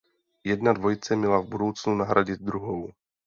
Jedna dvojice měla v budoucnu nahradit druhou.